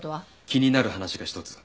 気になる話が一つ。